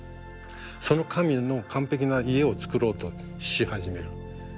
その神の完璧な家を作ろうとし始める。